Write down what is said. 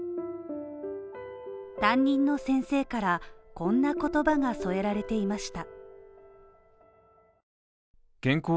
担任の先生からこんな言葉が添えられていました。